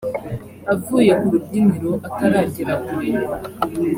Avuye ku rubyiniro ataragera kure